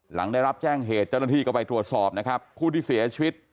หลังได้รับแจ้งเหตุเจ้าหน้าที่ก็ไปตรวจสอบนะครับผู้ที่เสียชีวิต